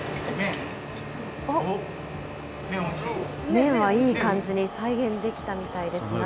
麺はいい感じに再現できたみたいですが。